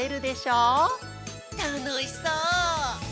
たのしそう！